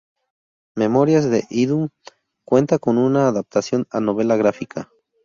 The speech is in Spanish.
Memorias de idhún cuenta con una adaptación a novela gráfica.